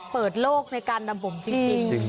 เปิดโลกในการนำผมจริง